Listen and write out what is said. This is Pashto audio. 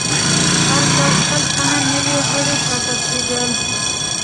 هر کال سل تنه نوي غړي ټاکل کېدل.